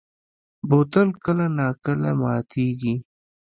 بوتل کله نا کله ماتېږي.